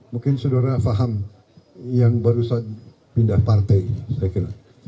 mungkin saudara faham yang baru saja pindah partai